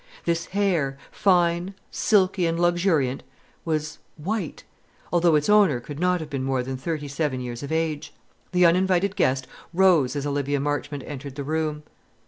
This hair, fine, silky, and luxuriant, was white, although its owner could not have been more than thirty seven years of age. The uninvited guest rose as Olivia Marchmont entered the room.